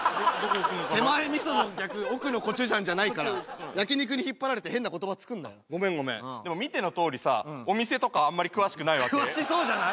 手前みその逆奥のコチュジャンじゃないから焼き肉に引っ張られて変な言葉作んなよごめんごめんでも見てのとおりさお店とかあんまり詳しくないわけ詳しそうじゃない？